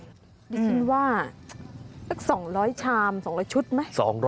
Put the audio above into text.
ดิฉันว่าสัก๒๐๐ชาม๒๐๐ชุดไหม